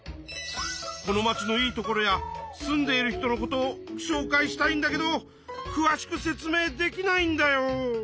このまちのいいところや住んでいる人のことをしょうかいしたいんだけどくわしく説明できないんだよ。